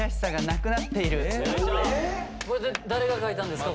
これ誰が書いたんですか？